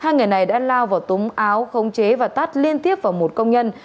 hai người này đã lao vào túng áo khống chế và tát liên tiếp vào một công nhân